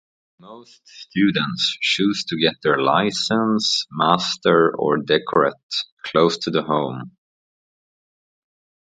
Most students choose to get their licence, master or doctorate close to home.